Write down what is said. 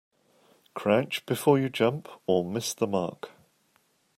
Crouch before you jump or miss the mark.